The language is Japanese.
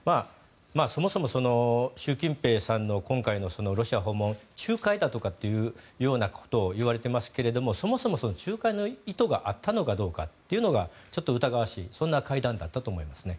そもそも、習近平さんの今回のロシア訪問仲介だとかっていうようなことを言われていますがそもそも仲介の意図があったのかどうかというのがちょっと疑わしいそんな会談だったと思います。